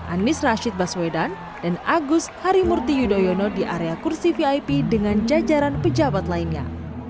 anies rashid baswedan dan agus harimurti yudhoyono di area kursi vip dengan jajaran pejabat lainnya